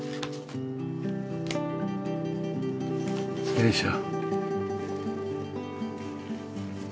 よいしょ。